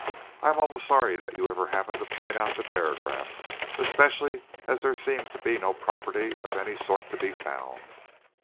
I am almost sorry that you ever happened to point out the paragraph, especially as there seems to be no property of any sort to be found."